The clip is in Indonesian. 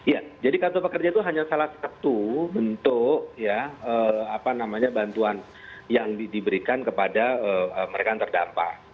ya jadi kartu prakerja itu hanya salah satu bentuk ya apa namanya bantuan yang diberikan kepada mereka yang terdampak